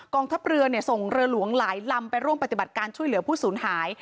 ทัพเรือส่งเรือหลวงหลายลำไปร่วมปฏิบัติการช่วยเหลือผู้สูญหาย